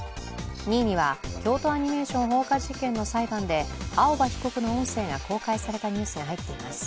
２位には、京都アニメーション放火事件の裁判で青葉被告の音声が公開されたニュースが入っています。